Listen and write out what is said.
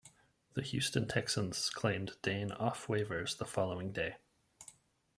The Houston Texans claimed Dayne off waivers the following day.